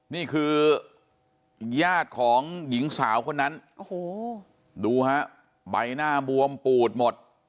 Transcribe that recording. นี่คือญาติของหญิงสาวคนนั้นโอ้โหดูฮะใบหน้าบวมปูดหมด